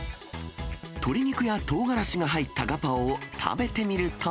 鶏肉やとうがらしが入ったガパオを食べてみると。